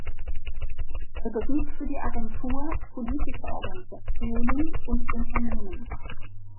Er beriet für die Agentur politische Organisationen und Unternehmen.